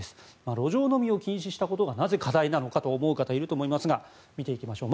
路上飲みを禁止したことがなぜ課題なのかと思う方いると思いますが見ていきましょう。